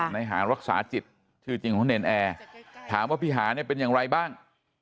ในหารักษาจิตชื่อจริงของเนรนแอร์ถามว่าพี่หาเนี่ยเป็นอย่างไรบ้าง